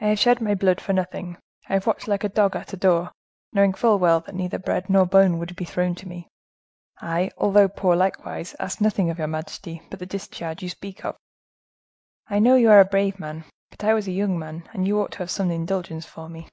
I have shed my blood for nothing; I have watched like a dog at a door, knowing full well that neither bread nor bone would be thrown to me. I, although poor likewise, asked nothing of your majesty but the discharge you speak of." "I know you are a brave man, but I was a young man, and you ought to have had some indulgence for me.